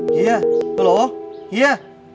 เฮียปัลโหลเฮีย